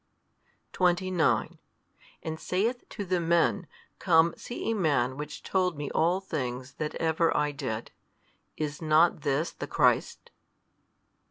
29 and saith to the men Come see a Man which told me all things that ever I did; is not This the Christ?